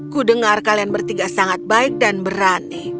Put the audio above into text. kudengar kalian bertiga sangat baik dan berani